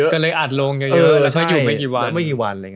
ก็เลยอัดลงเยอะแล้วอยู่ไม่กี่วัน